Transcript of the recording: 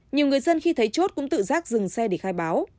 nhiều người dân khi thấy chốt cũng tự giác dừng xe để khai báo